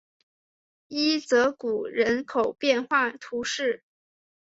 伊泽谷人口变化图示